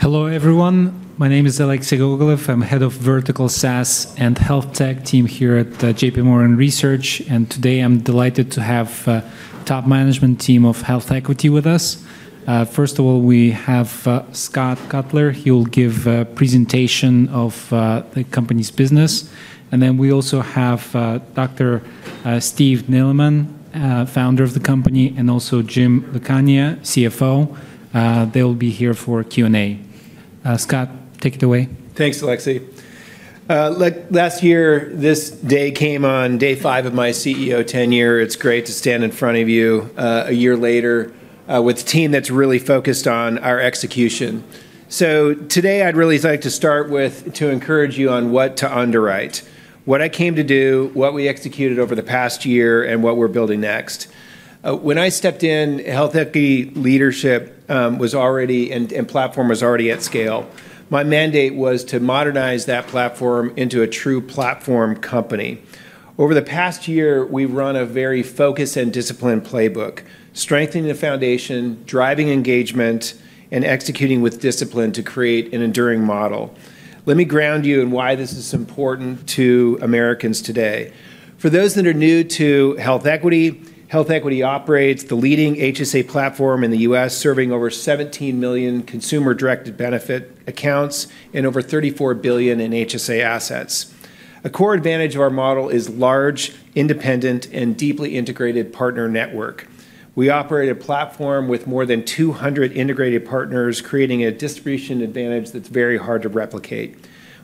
Hello, everyone. My name is Alexei Gogolev. I'm Head of Vertical SaaS and HealthTech team here at JPMorgan Research. And today I'm delighted to have the top management team of HealthEquity with us. First of all, we have Scott Cutler. He will give a presentation of the company's business. And then we also have Dr. Steve Neeleman, founder of the company, and also Jim Lucania, CFO. They will be here for Q&A. Scott, take it away. Thanks, Alexei. Last year, this day came on day five of my CEO tenure. It's great to stand in front of you a year later with a team that's really focused on our execution. So today, I'd really like to start with to encourage you on what to underwrite, what I came to do, what we executed over the past year, and what we're building next. When I stepped in, HealthEquity leadership was already and platform was already at scale. My mandate was to modernize that platform into a true platform company. Over the past year, we've run a very focused and disciplined playbook, strengthening the foundation, driving engagement, and executing with discipline to create an enduring model. Let me ground you in why this is important to Americans today. For those that are new to HealthEquity, HealthEquity operates the leading HSA platform in the US, serving over 17 million consumer-directed benefit accounts and over $34 billion in HSA assets. A core advantage of our model is large, independent, and deeply integrated partner network. We operate a platform with more than 200 integrated partners, creating a distribution advantage that's very hard to replicate.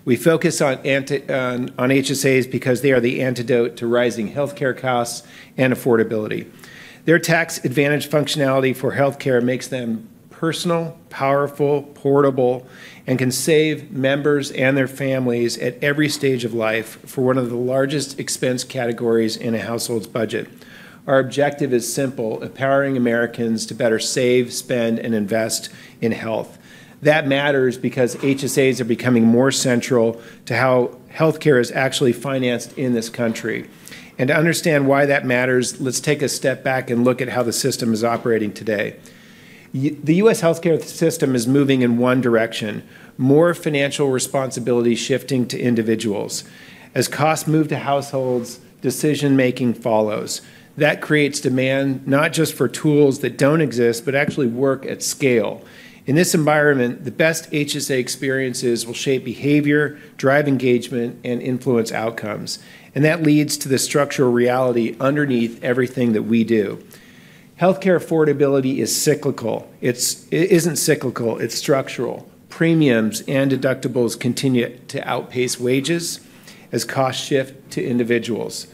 We focus on HSAs because they are the antidote to rising health care costs and affordability. Their tax-advantaged functionality for health care makes them personal, powerful, portable, and can save members and their families at every stage of life for one of the largest expense categories in a household's budget. Our objective is simple: empowering Americans to better Save, Spend, and Invest in health. That matters because HSAs are becoming more central to how health care is actually financed in this country. To understand why that matters, let's take a step back and look at how the system is operating today. The U.S. health care system is moving in one direction: more financial responsibility shifting to individuals. As costs move to households, decision-making follows. That creates demand not just for tools that don't exist, but actually work at scale. In this environment, the best HSA experiences will shape behavior, drive engagement, and influence outcomes. That leads to the structural reality underneath everything that we do. Health care affordability is cyclical. It isn't cyclical. It's structural. Premiums and deductibles continue to outpace wages as costs shift to individuals.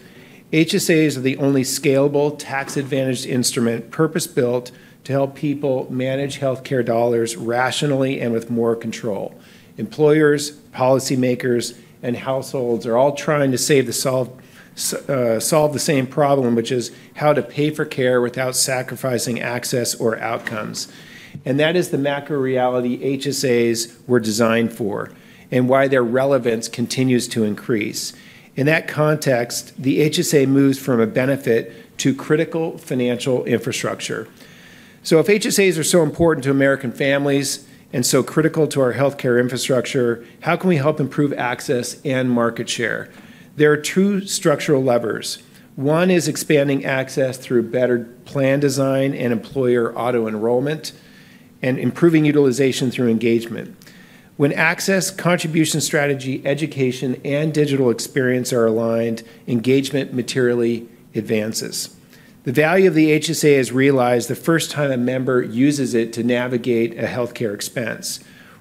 HSAs are the only scalable tax-advantaged instrument, purpose-built to help people manage health care dollars rationally and with more control. Employers, policymakers, and households are all trying to solve the same problem, which is how to pay for care without sacrificing access or outcomes. And that is the macro reality HSAs were designed for and why their relevance continues to increase. In that context, the HSA moves from a benefit to critical financial infrastructure. So if HSAs are so important to American families and so critical to our health care infrastructure, how can we help improve access and market share? There are two structural levers. One is expanding access through better plan design and employer auto-enrollment and improving utilization through engagement. When access, contribution strategy, education, and digital experience are aligned, engagement materially advances. The value of the HSA is realized the first time a member uses it to navigate a health care expense.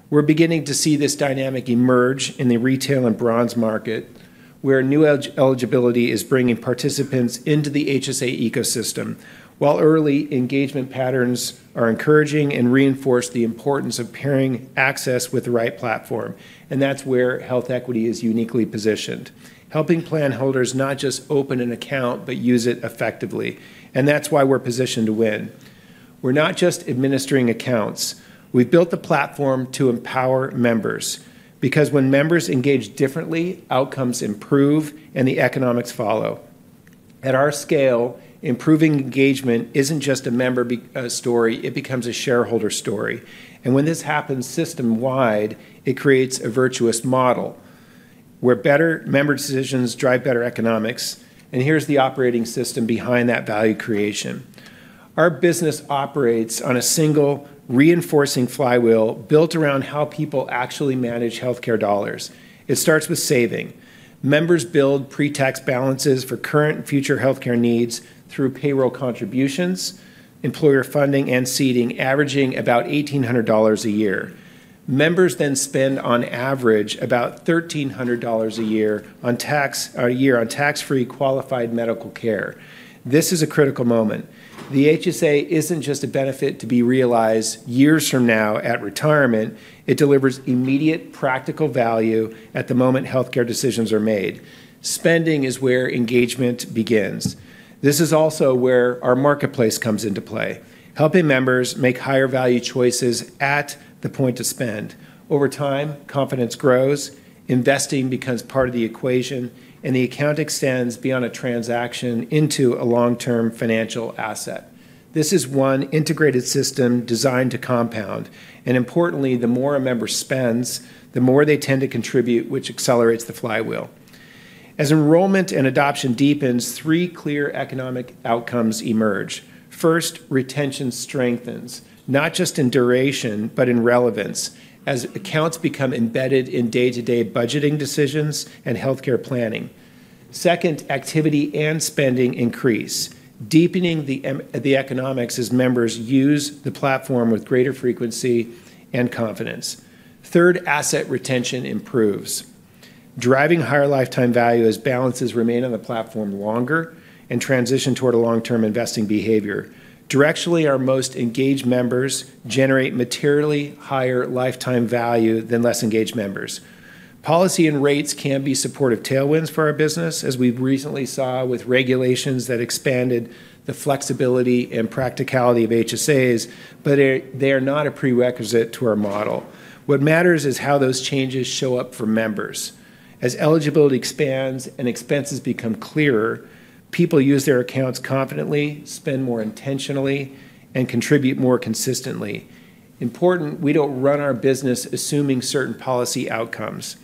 We're beginning to see this dynamic emerge in the retail and Bronze market, where new eligibility is bringing participants into the HSA ecosystem. While early engagement patterns are encouraging and reinforce the importance of pairing access with the right platform, and that's where HealthEquity is uniquely positioned, helping plan holders not just open an account, but use it effectively. And that's why we're positioned to win. We're not just administering accounts. We've built the platform to empower members. Because when members engage differently, outcomes improve and the economics follow. At our scale, improving engagement isn't just a member story. It becomes a shareholder story. And when this happens system-wide, it creates a virtuous model where better member decisions drive better economics. And here's the operating system behind that value creation. Our business operates on a single reinforcing flywheel built around how people actually manage health care dollars. It starts with saving. Members build pre-tax balances for current and future health care needs through payroll contributions, employer funding, and seeding, averaging about $1,800 a year. Members then spend on average about $1,300 a year on tax-free qualified medical care. This is a critical moment. The HSA isn't just a benefit to be realized years from now at retirement. It delivers immediate practical value at the moment health care decisions are made. Spending is where engagement begins. This is also where our marketplace comes into play, helping members make higher value choices at the point to spend. Over time, confidence grows, investing becomes part of the equation, and the account extends beyond a transaction into a long-term financial asset. This is one integrated system designed to compound. And importantly, the more a member spends, the more they tend to contribute, which accelerates the flywheel. As enrollment and adoption deepens, three clear economic outcomes emerge. First, retention strengthens, not just in duration, but in relevance, as accounts become embedded in day-to-day budgeting decisions and health care planning. Second, activity and spending increase, deepening the economics as members use the platform with greater frequency and confidence. Third, asset retention improves, driving higher lifetime value as balances remain on the platform longer and transition toward a long-term investing behavior. Directionally, our most engaged members generate materially higher lifetime value than less engaged members. Policy and rates can be supportive tailwinds for our business, as we recently saw with regulations that expanded the flexibility and practicality of HSAs, but they are not a prerequisite to our model. What matters is how those changes show up for members. As eligibility expands and expenses become clearer, people use their accounts confidently, spend more intentionally, and contribute more consistently. Importantly, we don't run our business assuming certain policy outcomes.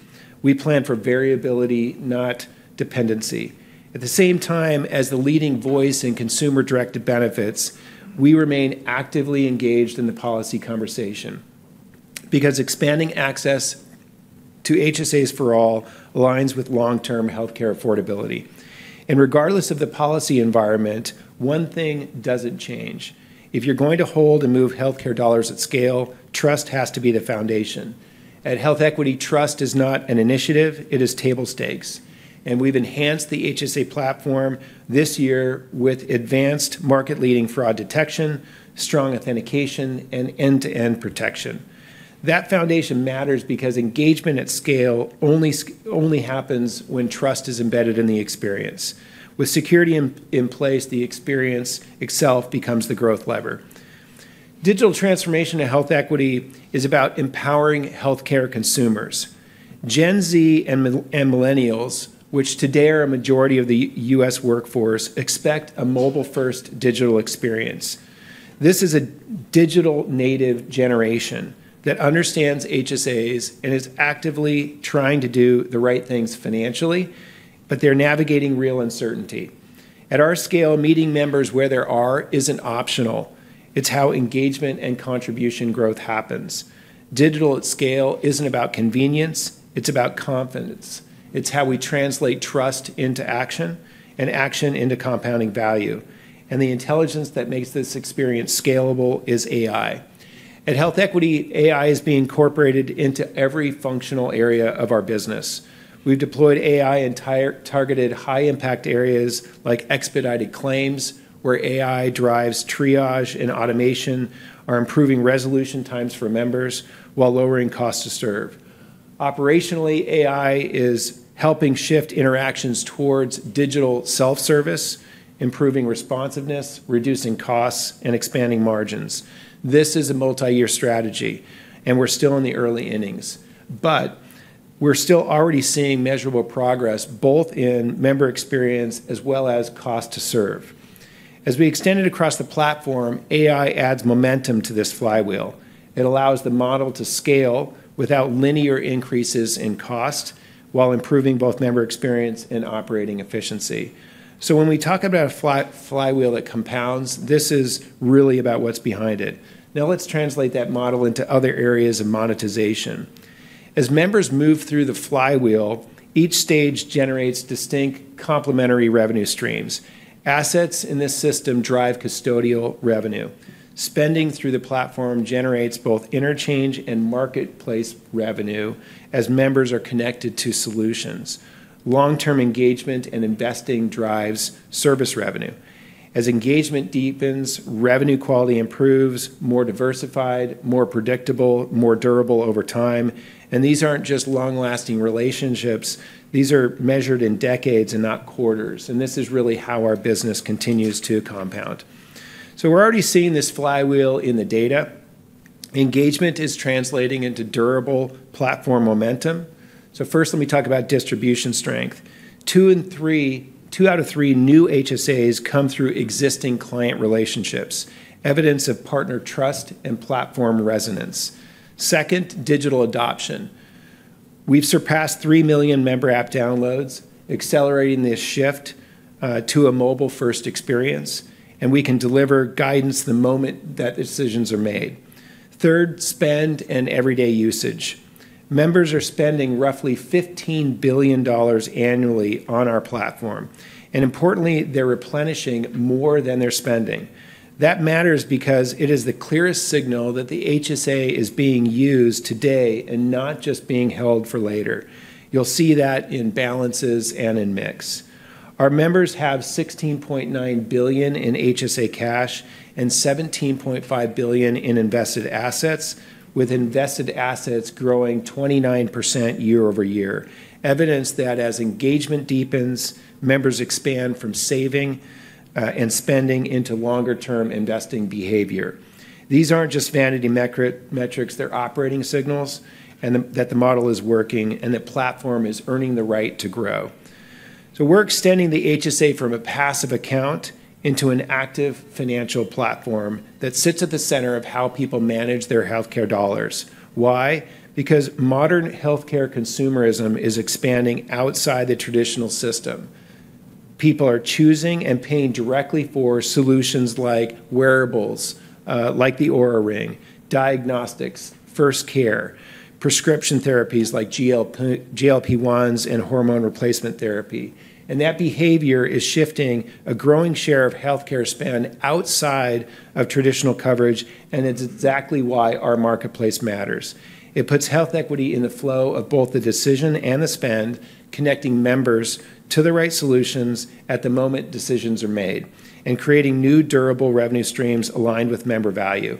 We plan for variability, not dependency. At the same time, as the leading voice in consumer-directed benefits, we remain actively engaged in the policy conversation because expanding access to HSAs for all aligns with long-term health care affordability, and regardless of the policy environment, one thing doesn't change. If you're going to hold and move health care dollars at scale, trust has to be the foundation. At HealthEquity, trust is not an initiative. It is table stakes, and we've enhanced the HSA platform this year with advanced market-leading fraud detection, strong authentication, and end-to-end protection. That foundation matters because engagement at scale only happens when trust is embedded in the experience. With security in place, the experience itself becomes the growth lever. Digital transformation of HealthEquity is about empowering health care consumers. Gen Z and Millennials, which today are a majority of the U.S. workforce, expect a mobile-first digital experience. This is a digital-native generation that understands HSAs and is actively trying to do the right things financially, but they're navigating real uncertainty. At our scale, meeting members where they are isn't optional. It's how engagement and contribution growth happens. Digital at scale isn't about convenience. It's about confidence. It's how we translate trust into action and action into compounding value. And the intelligence that makes this experience scalable is AI. At HealthEquity, AI is being incorporated into every functional area of our business. We've deployed AI in targeted high-impact areas like expedited claims, where AI drives triage and automation, are improving resolution times for members while lowering costs to serve. Operationally, AI is helping shift interactions towards digital self-service, improving responsiveness, reducing costs, and expanding margins. This is a multi-year strategy, and we're still in the early innings. But we're still already seeing measurable progress both in member experience as well as cost to serve. As we extend it across the platform, AI adds momentum to this flywheel. It allows the model to scale without linear increases in cost while improving both member experience and operating efficiency. So when we talk about a flywheel that compounds, this is really about what's behind it. Now let's translate that model into other areas of monetization. As members move through the flywheel, each stage generates distinct complementary revenue streams. Assets in this system drive custodial revenue. Spending through the platform generates both interchange and marketplace revenue as members are connected to solutions. Long-term engagement and investing drives service revenue. As engagement deepens, revenue quality improves, more diversified, more predictable, more durable over time. And these aren't just long-lasting relationships. These are measured in decades and not quarters. This is really how our business continues to compound. We're already seeing this flywheel in the data. Engagement is translating into durable platform momentum. First, let me talk about distribution strength. Two out of three new HSAs come through existing client relationships, evidence of partner trust and platform resonance. Second, digital adoption. We've surpassed three million member app downloads, accelerating this shift to a mobile-first experience, and we can deliver guidance the moment that decisions are made. Third, spend and everyday usage. Members are spending roughly $15 billion annually on our platform. And importantly, they're replenishing more than they're spending. That matters because it is the clearest signal that the HSA is being used today and not just being held for later. You'll see that in balances and in mix. Our members have $16.9 billion in HSA cash and $17.5 billion in invested assets, with invested assets growing 29% year-over-year, evidence that as engagement deepens, members expand from saving and spending into longer-term investing behavior. These aren't just vanity metrics. They're operating signals that the model is working and the platform is earning the right to grow. So we're extending the HSA from a passive account into an active financial platform that sits at the center of how people manage their health care dollars. Why? Because modern health care consumerism is expanding outside the traditional system. People are choosing and paying directly for solutions like wearables, like the Oura Ring, diagnostics, first care, prescription therapies like GLP-1s and hormone replacement therapy, and that behavior is shifting a growing share of health care spend outside of traditional coverage, and it's exactly why our marketplace matters. It puts HealthEquity in the flow of both the decision and the spend, connecting members to the right solutions at the moment decisions are made and creating new durable revenue streams aligned with member value.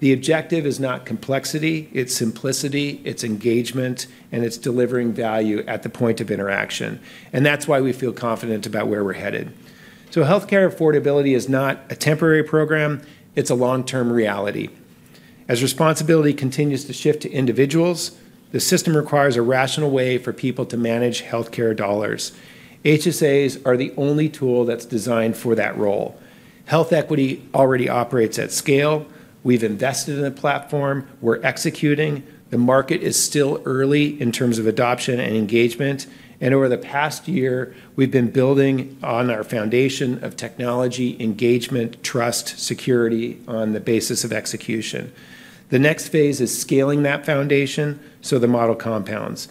The objective is not complexity. It's simplicity. It's engagement. And it's delivering value at the point of interaction. And that's why we feel confident about where we're headed. So health care affordability is not a temporary program. It's a long-term reality. As responsibility continues to shift to individuals, the system requires a rational way for people to manage health care dollars. HSAs are the only tool that's designed for that role. HealthEquity already operates at scale. We've invested in the platform. We're executing. The market is still early in terms of adoption and engagement. And over the past year, we've been building on our foundation of technology, engagement, trust, security on the basis of execution. The next phase is scaling that foundation so the model compounds.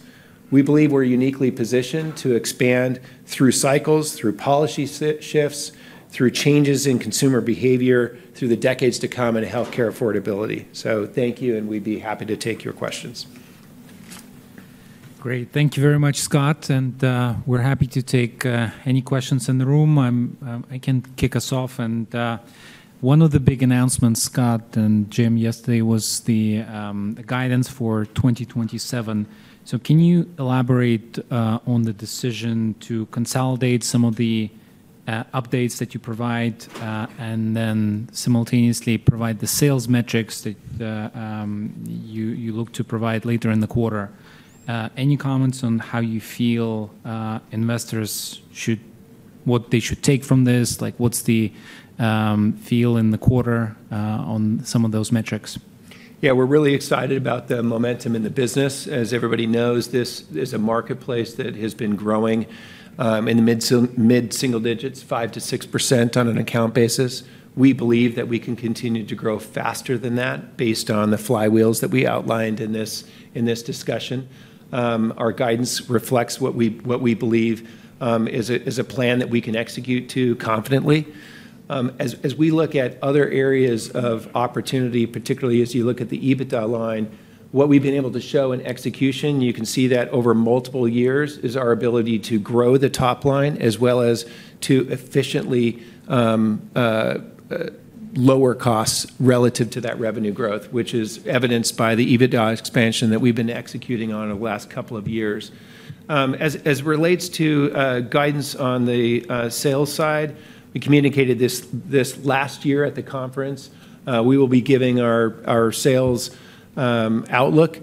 We believe we're uniquely positioned to expand through cycles, through policy shifts, through changes in consumer behavior, through the decades to come in health care affordability. So thank you, and we'd be happy to take your questions. Great. Thank you very much, Scott. And we're happy to take any questions in the room. I can kick us off. And one of the big announcements, Scott and Jim, yesterday was the guidance for 2027. So can you elaborate on the decision to consolidate some of the updates that you provide and then simultaneously provide the sales metrics that you look to provide later in the quarter? Any comments on how you feel investors should what they should take from this? What's the feel in the quarter on some of those metrics? Yeah, we're really excited about the momentum in the business. As everybody knows, this is a marketplace that has been growing in the mid-single digits, 5%-6% on an account basis. We believe that we can continue to grow faster than that based on the flywheels that we outlined in this discussion. Our guidance reflects what we believe is a plan that we can execute confidently. As we look at other areas of opportunity, particularly as you look at the EBITDA line, what we've been able to show in execution, you can see that over multiple years is our ability to grow the top line as well as to efficiently lower costs relative to that revenue growth, which is evidenced by the EBITDA expansion that we've been executing on over the last couple of years. As it relates to guidance on the sales side, we communicated this last year at the conference. We will be giving our sales outlook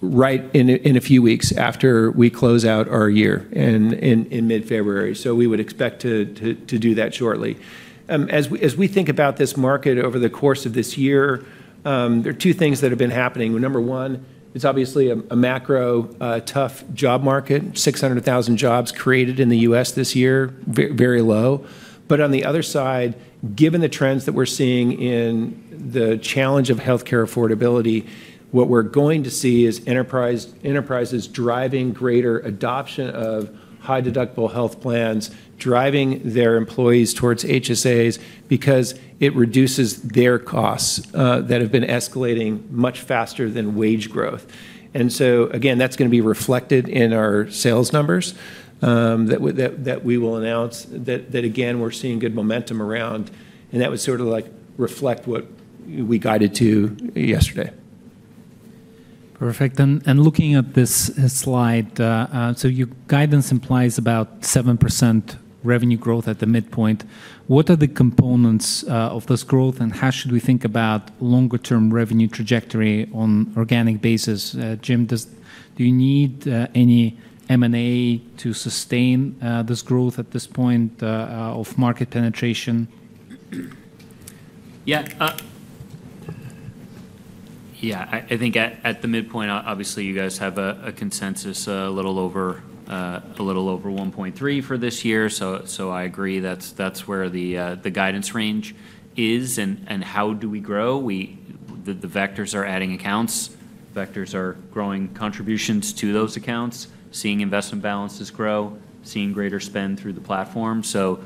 right in a few weeks after we close out our year in mid-February. So we would expect to do that shortly. As we think about this market over the course of this year, there are two things that have been happening. Number one, it's obviously a macro tough job market, 600,000 jobs created in the U.S. this year, very low. But on the other side, given the trends that we're seeing in the challenge of health care affordability, what we're going to see is enterprises driving greater adoption of high-deductible health plans, driving their employees towards HSAs because it reduces their costs that have been escalating much faster than wage growth. And so, again, that's going to be reflected in our sales numbers that we will announce, that, again, we're seeing good momentum around. And that would sort of reflect what we guided to yesterday. Perfect. And looking at this slide, so your guidance implies about 7% revenue growth at the midpoint. What are the components of this growth, and how should we think about longer-term revenue trajectory on an organic basis? Jim, do you need any M&A to sustain this growth at this point of market penetration? Yeah. Yeah, I think at the midpoint, obviously, you guys have a consensus a little over 1.3 for this year. So I agree that's where the guidance range is and how do we grow. The vectors are adding accounts. Vectors are growing contributions to those accounts, seeing investment balances grow, seeing greater spend through the platform. So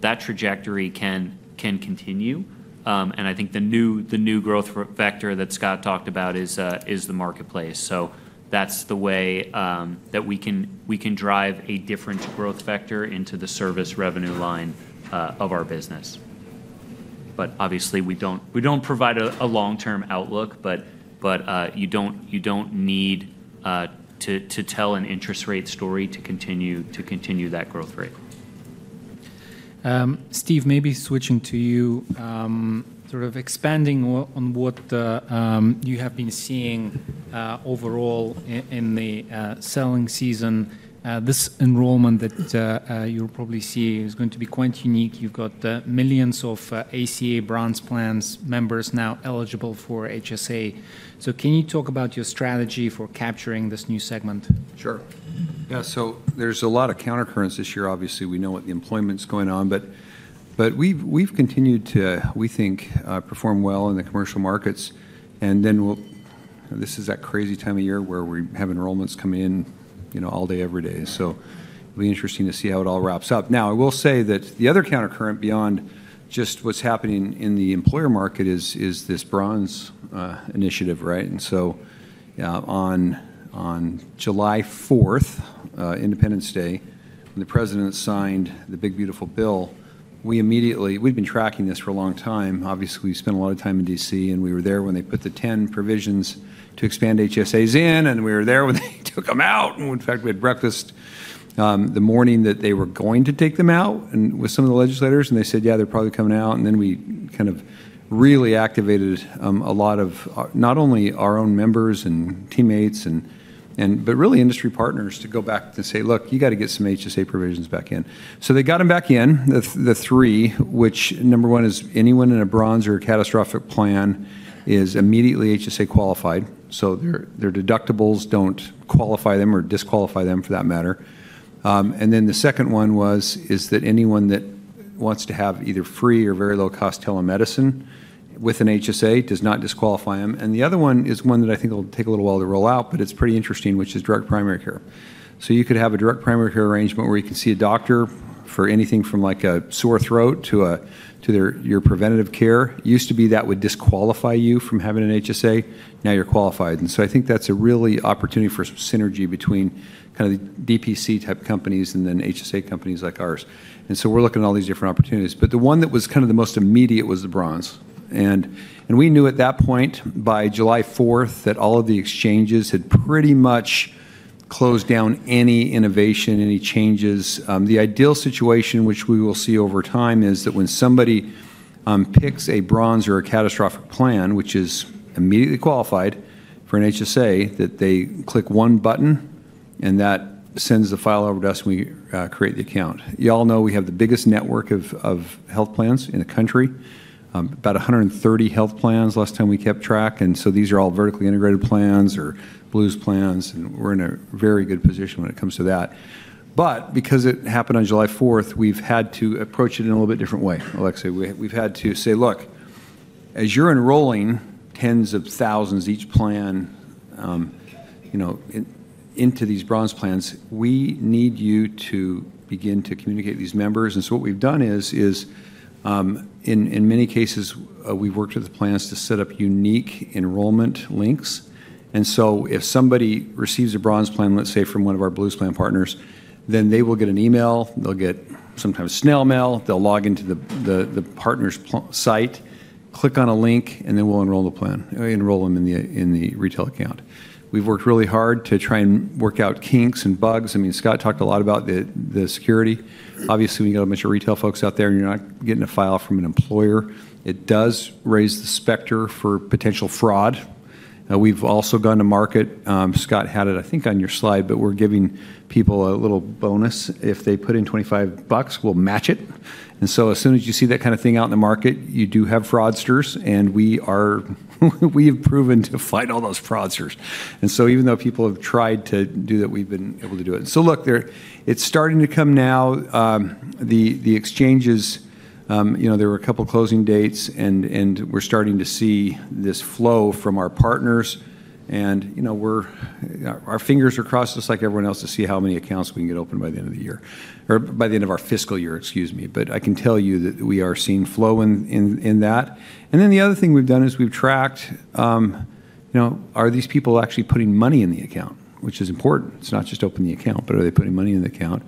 that trajectory can continue. And I think the new growth vector that Scott talked about is the marketplace. So that's the way that we can drive a different growth vector into the service revenue line of our business. But obviously, we don't provide a long-term outlook, but you don't need to tell an interest rate story to continue that growth rate. Steve, maybe switching to you, sort of expanding on what you have been seeing overall in the selling season. This enrollment that you'll probably see is going to be quite unique. You've got millions of ACA Bronze plans members now eligible for HSA. So can you talk about your strategy for capturing this new segment? Sure. Yeah, so there's a lot of countercurrents this year. Obviously, we know what the employment's going on, but we've continued to, we think, perform well in the commercial markets. And then this is that crazy time of year where we have enrollments coming in all day, every day. So it'll be interesting to see how it all wraps up. Now, I will say that the other countercurrent beyond just what's happening in the employer market is this Bronze initiative, right? And so on July 4th, Independence Day, when the president signed the big, beautiful bill, we immediately, we'd been tracking this for a long time. Obviously, we spent a lot of time in DC, and we were there when they put the 10 provisions to expand HSAs in, and we were there when they took them out. In fact, we had breakfast the morning that they were going to take them out with some of the legislators, and they said, "Yeah, they're probably coming out," and then we kind of really activated a lot of not only our own members and teammates, but really industry partners to go back and say, "Look, you got to get some HSA provisions back in," so they got them back in, the three, which number one is anyone in a Bronze or a Catastrophic plan is immediately HSA qualified, so their deductibles don't qualify them or disqualify them for that matter, and then the second one was that anyone that wants to have either free or very low-cost telemedicine with an HSA does not disqualify them. And the other one is one that I think will take a little while to roll out, but it's pretty interesting, which is direct primary care. So you could have a direct primary care arrangement where you can see a doctor for anything from a sore throat to your preventative care. It used to be that would disqualify you from having an HSA. Now you're qualified. And so I think that's a really opportunity for synergy between kind of DPC-type companies and then HSA companies like ours. And so we're looking at all these different opportunities. But the one that was kind of the most immediate was the Bronze. And we knew at that point by July 4th that all of the exchanges had pretty much closed down any innovation, any changes. The ideal situation, which we will see over time, is that when somebody picks a Bronze or a Catastrophic plan, which is immediately qualified for an HSA, that they click one button, and that sends the file over to us and we create the account. You all know we have the biggest network of health plans in the country, about 130 health plans last time we kept track. And so these are all vertically integrated plans or Blue's plans, and we're in a very good position when it comes to that. But because it happened on July 4th, we've had to approach it in a little bit different way, Alexei. We've had to say, "Look, as you're enrolling tens of thousands each plan into these Bronze plans, we need you to begin to communicate these members." And so what we've done is, in many cases, we've worked with the plans to set up unique enrollment links. And so if somebody receives a Bronze plan, let's say from one of our Blue's plan partners, then they will get an email. They'll get sometimes snail mail. They'll log into the partner's site, click on a link, and then we'll enroll them in the retail account. We've worked really hard to try and work out kinks and bugs. I mean, Scott talked a lot about the security. Obviously, we got a bunch of retail folks out there, and you're not getting a file from an employer. It does raise the specter for potential fraud. We've also gone to market. Scott had it, I think, on your slide, but we're giving people a little bonus. If they put in $25, we'll match it. And so as soon as you see that kind of thing out in the market, you do have fraudsters, and we have proven to fight all those fraudsters. And so even though people have tried to do that, we've been able to do it. So look, it's starting to come now. The exchanges, there were a couple of closing dates, and we're starting to see this flow from our partners. And our fingers are crossed, just like everyone else, to see how many accounts we can get open by the end of the year or by the end of our fiscal year, excuse me. But I can tell you that we are seeing flow in that. And then the other thing we've done is we've tracked are these people actually putting money in the account, which is important. It's not just opening the account, but are they putting money in the account?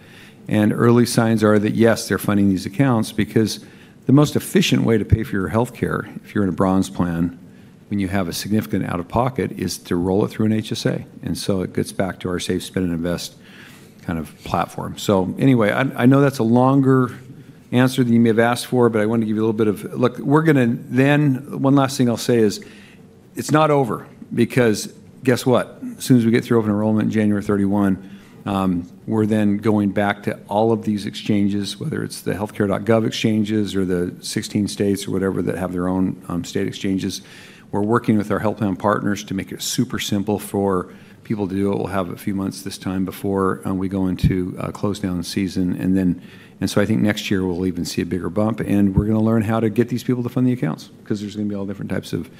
Early signs are that yes, they're funding these accounts because the most efficient way to pay for your health care if you're in a Bronze plan when you have a significant out-of-pocket is to roll it through an HSA. And so it gets back to our Save, Spend, and Invest kind of platform. So anyway, I know that's a longer answer than you may have asked for, but I wanted to give you a little bit of look. We're going to then one last thing I'll say is it's not over because guess what? As soon as we get through open enrollment in January 31, we're then going back to all of these exchanges, whether it's the Healthcare.gov exchanges or the 16 states or whatever that have their own state exchanges. We're working with our health plan partners to make it super simple for people to do it. We'll have a few months this time before we go into close-down season. And so I think next year, we'll even see a bigger bump. And we're going to learn how to get these people to fund the accounts because there's going to be all different types of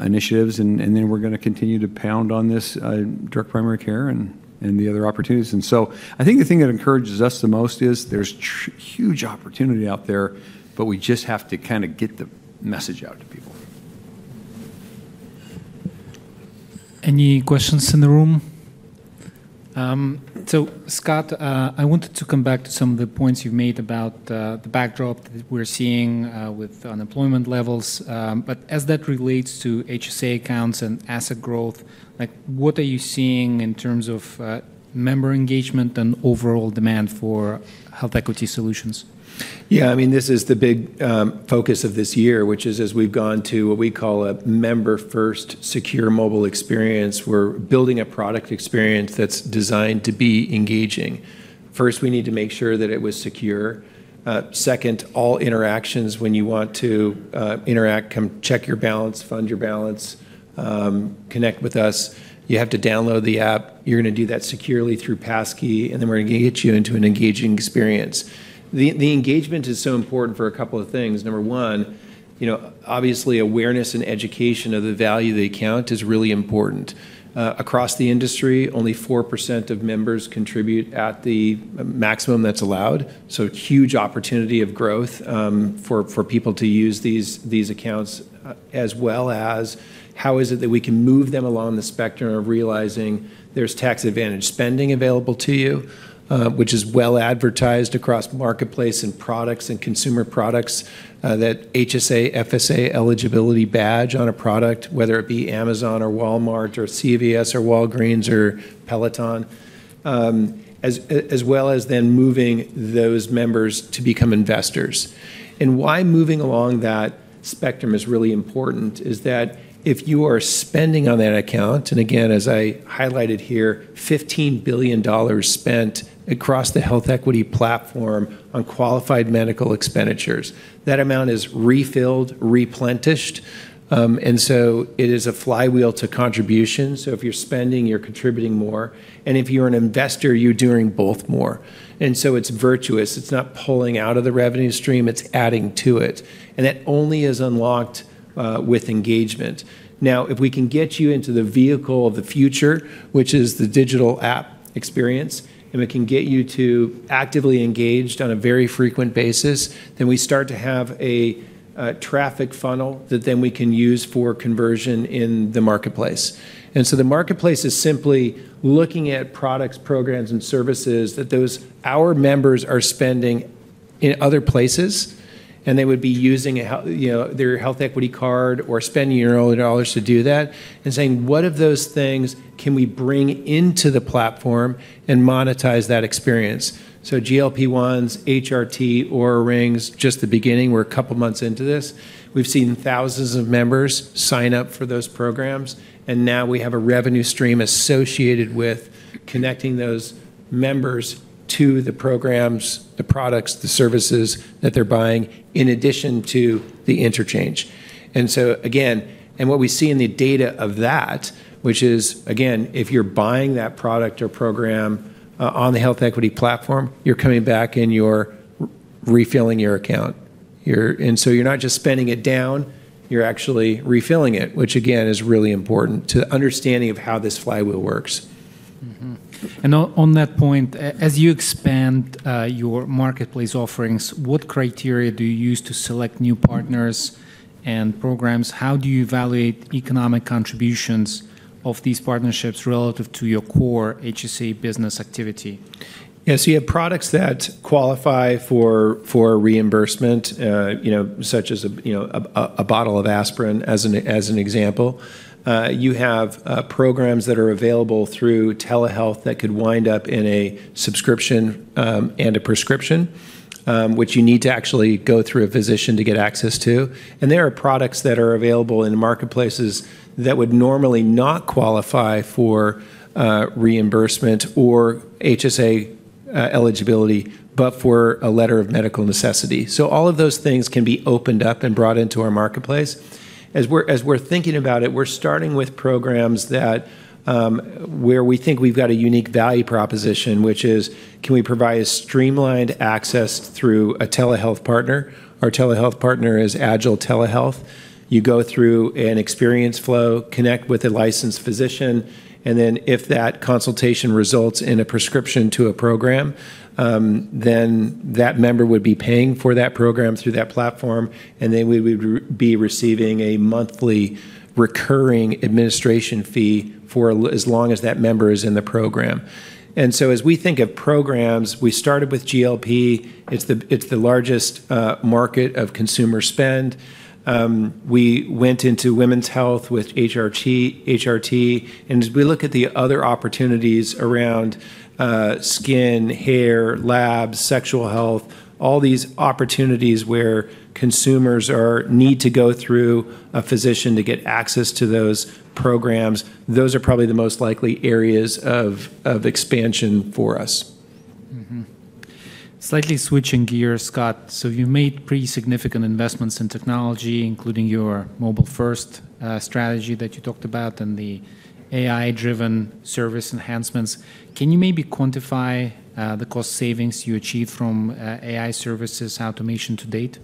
initiatives. And then we're going to continue to pound on this direct primary care and the other opportunities. And so I think the thing that encourages us the most is there's huge opportunity out there, but we just have to kind of get the message out to people. Any questions in the room? So Scott, I wanted to come back to some of the points you've made about the backdrop that we're seeing with unemployment levels. But as that relates to HSA accounts and asset growth, what are you seeing in terms of member engagement and overall demand for HealthEquity solutions? Yeah, I mean, this is the big focus of this year, which is as we've gone to what we call a member-first secure mobile experience. We're building a product experience that's designed to be engaging. First, we need to make sure that it was secure. Second, all interactions, when you want to interact, come check your balance, fund your balance, connect with us. You have to download the app. You're going to do that securely through Passkey, and then we're going to get you into an engaging experience. The engagement is so important for a couple of things. Number one, obviously, awareness and education of the value of the account is really important. Across the industry, only 4% of members contribute at the maximum that's allowed. So huge opportunity of growth for people to use these accounts as well as how is it that we can move them along the spectrum of realizing there's tax-advantaged spending available to you, which is well-advertised across marketplace and products and consumer products, that HSA FSA eligibility badge on a product, whether it be Amazon or Walmart or CVS or Walgreens or Peloton, as well as then moving those members to become investors. And why moving along that spectrum is really important is that if you are spending on that account, and again, as I highlighted here, $15 billion spent across the HealthEquity platform on qualified medical expenditures, that amount is refilled, replenished. And so it is a flywheel to contributions. So if you're spending, you're contributing more. And if you're an investor, you're doing both more. And so it's virtuous. It's not pulling out of the revenue stream. It's adding to it, and that only is unlocked with engagement. Now, if we can get you into the vehicle of the future, which is the digital app experience, and we can get you to actively engaged on a very frequent basis, then we start to have a traffic funnel that then we can use for conversion in the marketplace. And so the marketplace is simply looking at products, programs, and services that our members are spending in other places, and they would be using their HealthEquity card or spending your own dollars to do that and saying, "What of those things can we bring into the platform and monetize that experience?" so GLP-1s, HRT, Oura Rings, just the beginning. We're a couple of months into this. We've seen thousands of members sign up for those programs. And now we have a revenue stream associated with connecting those members to the programs, the products, the services that they're buying in addition to the interchange. And so again, and what we see in the data of that, which is, again, if you're buying that product or program on the HealthEquity platform, you're coming back and you're refilling your account. And so you're not just spending it down. You're actually refilling it, which again, is really important to the understanding of how this flywheel works. And on that point, as you expand your marketplace offerings, what criteria do you use to select new partners and programs? How do you evaluate economic contributions of these partnerships relative to your core HSA business activity? Yeah, so you have products that qualify for reimbursement, such as a bottle of aspirin as an example. You have programs that are available through telehealth that could wind up in a subscription and a prescription, which you need to actually go through a physician to get access to. And there are products that are available in marketplaces that would normally not qualify for reimbursement or HSA eligibility, but for a letter of medical necessity. So all of those things can be opened up and brought into our marketplace. As we're thinking about it, we're starting with programs where we think we've got a unique value proposition, which is, can we provide a streamlined access through a telehealth partner? Our telehealth partner is Agile Telehealth. You go through an experience flow, connect with a licensed physician, and then if that consultation results in a prescription to a program, then that member would be paying for that program through that platform, and then we would be receiving a monthly recurring administration fee for as long as that member is in the program. And so as we think of programs, we started with GLP. It's the largest market of consumer spend. We went into women's health with HRT. And as we look at the other opportunities around skin, hair, labs, sexual health, all these opportunities where consumers need to go through a physician to get access to those programs, those are probably the most likely areas of expansion for us. Slightly switching gears, Scott. So you've made pretty significant investments in technology, including your mobile-first strategy that you talked about and the AI-driven service enhancements. Can you maybe quantify the cost savings you achieved from AI services automation to date?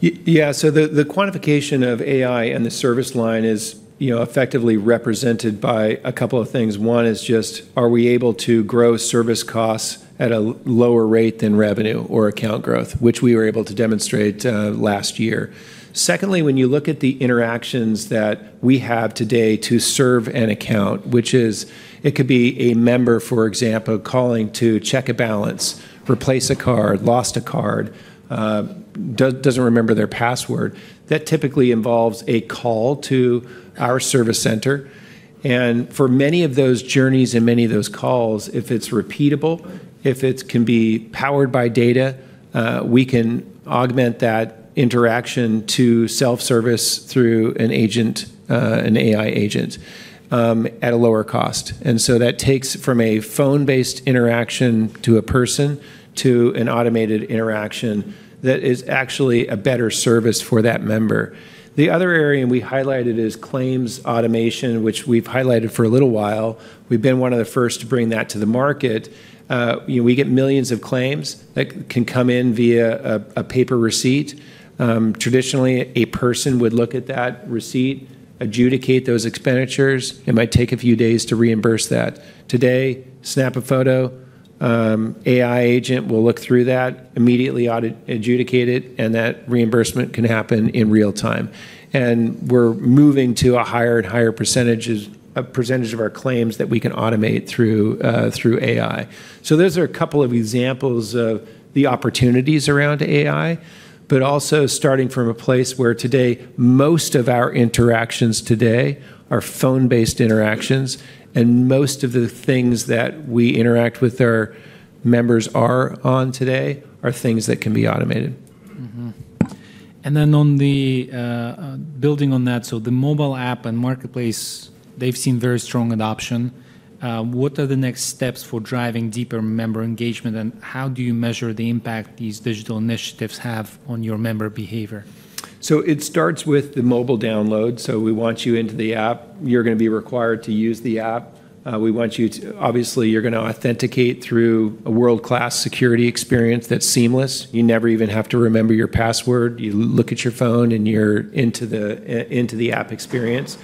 Yeah, so the quantification of AI and the service line is effectively represented by a couple of things. One is just, are we able to grow service costs at a lower rate than revenue or account growth, which we were able to demonstrate last year. Secondly, when you look at the interactions that we have today to serve an account, which is, it could be a member, for example, calling to check a balance, replace a card, lost a card, doesn't remember their password. That typically involves a call to our service center, and for many of those journeys and many of those calls, if it's repeatable, if it can be powered by data, we can augment that interaction to self-service through an agent, an AI agent, at a lower cost. And so that takes from a phone-based interaction to a person to an automated interaction that is actually a better service for that member. The other area we highlighted is claims automation, which we've highlighted for a little while. We've been one of the first to bring that to the market. We get millions of claims that can come in via a paper receipt. Traditionally, a person would look at that receipt, adjudicate those expenditures. It might take a few days to reimburse that. Today, snap a photo. AI agent will look through that, immediately adjudicate it, and that reimbursement can happen in real time. And we're moving to a higher and higher percentage of our claims that we can automate through AI. So those are a couple of examples of the opportunities around AI, but also starting from a place where today, most of our interactions today are phone-based interactions, and most of the things that we interact with our members on today are things that can be automated. And then, building on that, so the mobile app and marketplace, they've seen very strong adoption. What are the next steps for driving deeper member engagement, and how do you measure the impact these digital initiatives have on your member behavior? So it starts with the mobile download. So we want you into the app. You're going to be required to use the app. We want you to, obviously, you're going to authenticate through a world-class security experience that's seamless. You never even have to remember your password. You look at your phone, and you're into the app experience.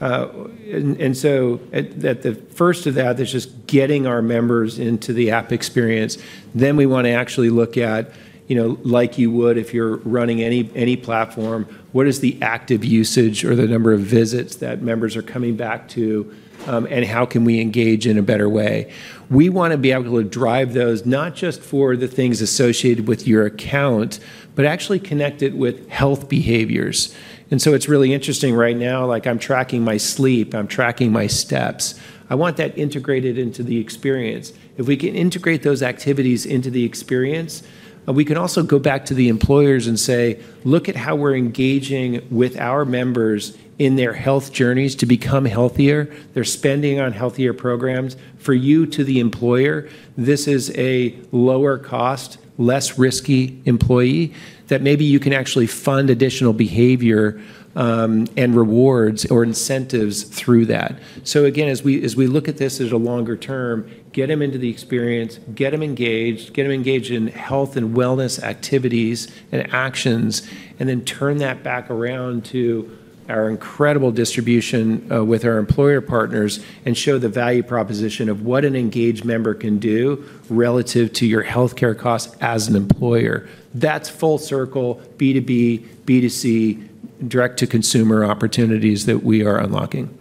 And so at the heart of that, it's just getting our members into the app experience. Then we want to actually look at, like you would if you're running any platform, what is the active usage or the number of visits that members are coming back to, and how can we engage in a better way? We want to be able to drive those, not just for the things associated with your account, but actually connect it with health behaviors. And so it's really interesting right now. I'm tracking my sleep. I'm tracking my steps. I want that integrated into the experience. If we can integrate those activities into the experience, we can also go back to the employers and say, "Look at how we're engaging with our members in their health journeys to become healthier. They're spending on healthier programs." For you, to the employer, this is a lower-cost, less risky employee that maybe you can actually fund additional behavior and rewards or incentives through that. So again, as we look at this as a longer term, get them into the experience, get them engaged, get them engaged in health and wellness activities and actions, and then turn that back around to our incredible distribution with our employer partners and show the value proposition of what an engaged member can do relative to your healthcare costs as an employer. That's full circle, B2B, B2C, direct-to-consumer opportunities that we are unlocking.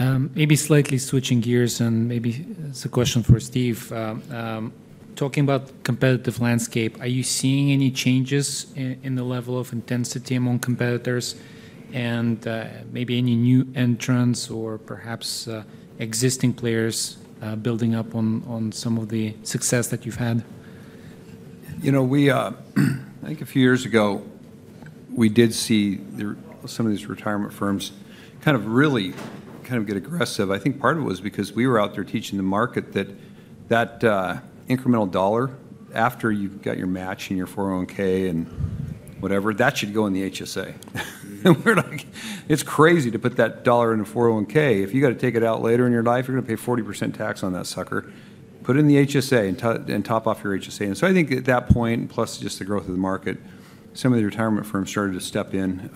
Maybe slightly switching gears, and maybe it's a question for Steve. Talking about competitive landscape, are you seeing any changes in the level of intensity among competitors and maybe any new entrants or perhaps existing players building up on some of the success that you've had? I think a few years ago, we did see some of these retirement firms kind of really kind of get aggressive. I think part of it was because we were out there teaching the market that that incremental dollar, after you've got your match and your 401(k) and whatever, that should go in the HSA. And we're like, "It's crazy to put that dollar in a 401(k). If you got to take it out later in your life, you're going to pay 40% tax on that sucker. Put it in the HSA and top off your HSA." And so I think at that point, plus just the growth of the market, some of the retirement firms started to step in.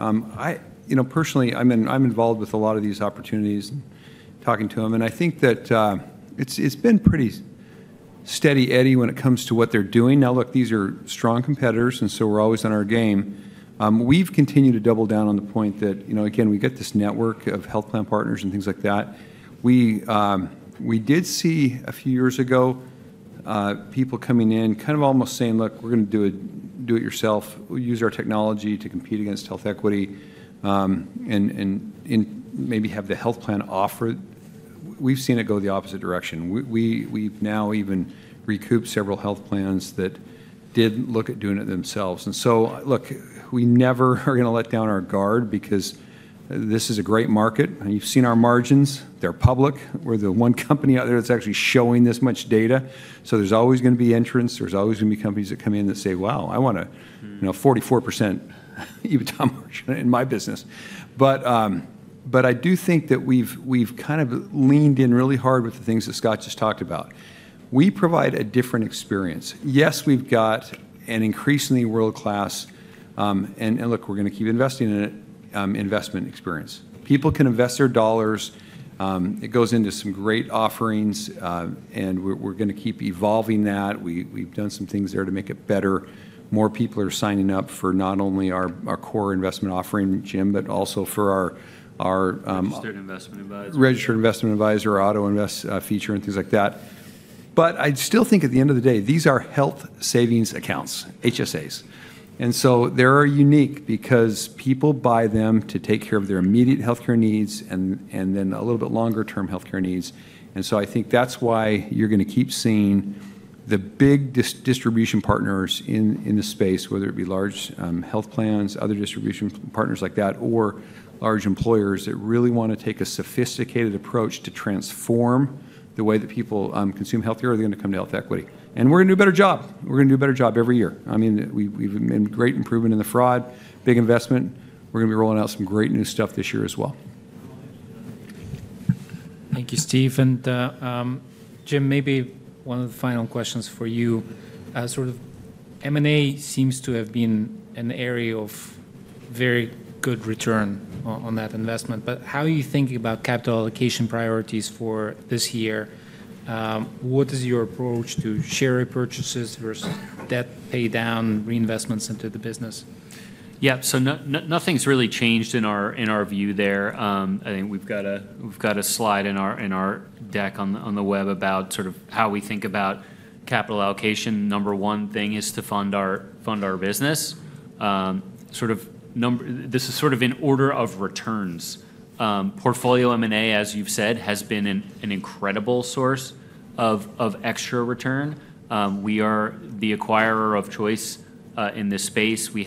Personally, I'm involved with a lot of these opportunities, talking to them. And I think that it's been pretty steady-eddy when it comes to what they're doing. Now, look, these are strong competitors, and so we're always on our game. We've continued to double down on the point that, again, we get this network of health plan partners and things like that. We did see a few years ago people coming in kind of almost saying, "Look, we're going to do it yourself. We'll use our technology to compete against HealthEquity and maybe have the health plan offer." We've seen it go the opposite direction. We've now even recouped several health plans that did look at doing it themselves. And so, look, we never are going to let down our guard because this is a great market. You've seen our margins. They're public. We're the one company out there that's actually showing this much data. So there's always going to be entrants. There's always going to be companies that come in that say, "Wow, I want a 44% EBITDA margin in my business." But I do think that we've kind of leaned in really hard with the things that Scott just talked about. We provide a different experience. Yes, we've got an increasingly world-class, and look, we're going to keep investing in it, investment experience. People can invest their dollars. It goes into some great offerings, and we're going to keep evolving that. We've done some things there to make it better. More people are signing up for not only our core investment offering, Jim, but also for our. Registered Investment Advisor. Registered Investment Advisor, auto invest feature, and things like that. But I still think at the end of the day, these are health savings accounts, HSAs. And so they're unique because people buy them to take care of their immediate healthcare needs and then a little bit longer-term healthcare needs. And so I think that's why you're going to keep seeing the big distribution partners in the space, whether it be large health plans, other distribution partners like that, or large employers that really want to take a sophisticated approach to transform the way that people consume healthcare, they're going to come to HealthEquity. And we're going to do a better job. We're going to do a better job every year. I mean, we've made great improvement in the fraud, big investment. We're going to be rolling out some great new stuff this year as well. Thank you, Steve. And Jim, maybe one of the final questions for you. M&A seems to have been an area of very good return on that investment. But how are you thinking about capital allocation priorities for this year? What is your approach to share repurchases versus debt pay down reinvestments into the business? Yeah, so nothing's really changed in our view there. I think we've got a slide in our deck on the web about sort of how we think about capital allocation. Number one thing is to fund our business. This is sort of in order of returns. Portfolio M&A, as you've said, has been an incredible source of extra return. We are the acquirer of choice in this space. We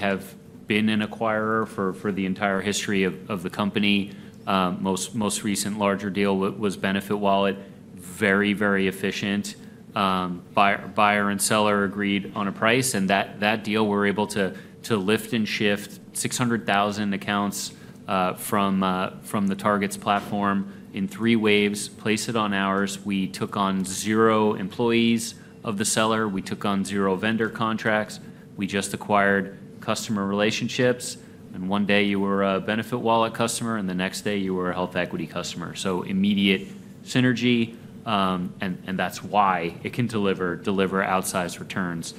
have been an acquirer for the entire history of the company. Most recent larger deal was BenefitWallet. Very, very efficient. Buyer and seller agreed on a price, and that deal we're able to lift and shift 600,000 accounts from the target's platform in three waves, place it on ours. We took on zero employees of the seller. We took on zero vendor contracts. We just acquired customer relationships. And one day you were a BenefitWallet customer, and the next day you were a HealthEquity customer. So immediate synergy, and that's why it can deliver outsized returns.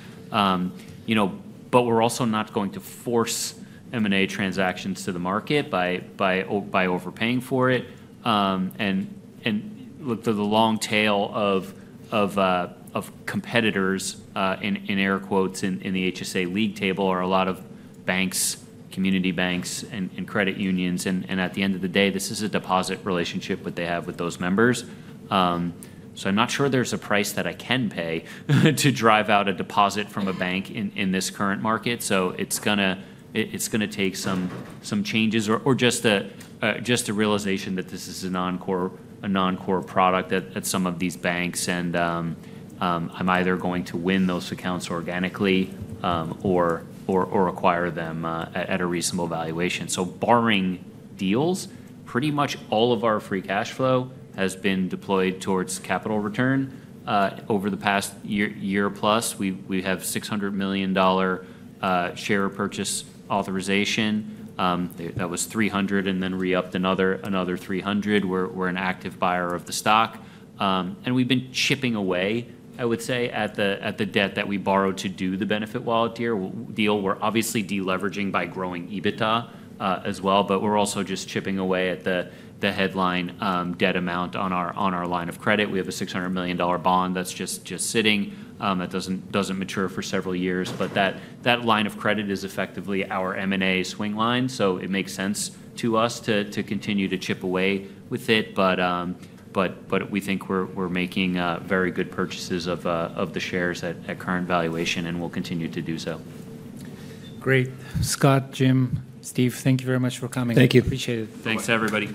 But we're also not going to force M&A transactions to the market by overpaying for it. And look, the long tail of "competitors" in air quotes in the HSA league table are a lot of banks, community banks, and credit unions. And at the end of the day, this is a deposit relationship that they have with those members. So I'm not sure there's a price that I can pay to drive out a deposit from a bank in this current market. So it's going to take some changes or just a realization that this is a non-core product that some of these banks and I'm either going to win those accounts organically or acquire them at a reasonable valuation. So barring deals, pretty much all of our free cash flow has been deployed towards capital return. Over the past year plus, we have $600 million share purchase authorization. That was 300 and then re-upped another 300. We're an active buyer of the stock. And we've been chipping away, I would say, at the debt that we borrowed to do the BenefitWallet deal. We're obviously deleveraging by growing EBITDA as well, but we're also just chipping away at the headline debt amount on our line of credit. We have a $600 million bond that's just sitting. That doesn't mature for several years. But that line of credit is effectively our M&A swing line. So it makes sense to us to continue to chip away with it. But we think we're making very good purchases of the shares at current valuation, and we'll continue to do so. Great. Scott, Jim, Steve, thank you very much for coming. Thank you. Appreciate it. Thanks, everybody.